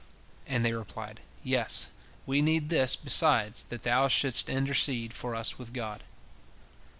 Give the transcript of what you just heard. And they replied, Yes, we need this, besides, that thou shouldst intercede for us with God."